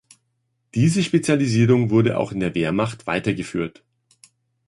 Diese Spezialisierung wurde auch in der Wehrmacht weitergeführt.